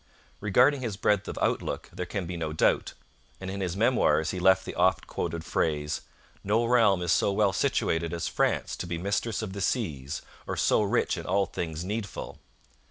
Regarding his breadth of outlook there can be no doubt, and in his Memoirs he left the oft quoted phrase: 'No realm is so well situated as France to be mistress of the seas or so rich in all things needful.'